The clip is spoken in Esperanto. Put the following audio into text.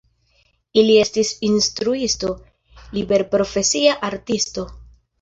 Li estis instruisto, liberprofesia artisto.